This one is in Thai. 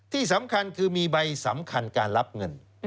ที่สำคัญคือมีใบสำคัญการรับเงิน